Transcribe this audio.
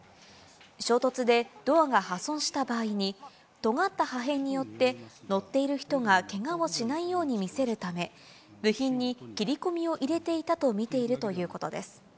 衝突でドアが破損した場合に、とがった破片によって乗っている人がけがをしないように見せるため、部品に切り込みを入れていたと見ているということです。